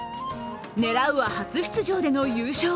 狙うは初出場での優勝。